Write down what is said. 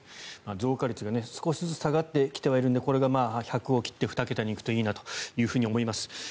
増加率が少しずつ下がってきてはいるのでこれが１００を切って２桁に行くといいなというふうに思います。